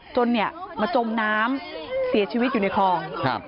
จนมาจมน้ำเสียชีวิตอยู่ในคลอง